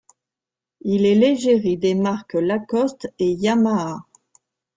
Il est l'égérie des marques Lacoste et Yamaha.